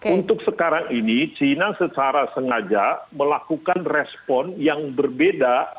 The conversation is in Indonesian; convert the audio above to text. untuk sekarang ini china secara sengaja melakukan respon yang berbeda